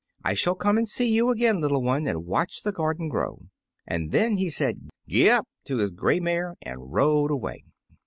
I shall come and see you again, little one, and watch the garden grow." And then he said "gee up" to his gray mare, and rode away.